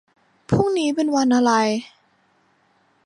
พรุ่งนี้เป็นวันอะไร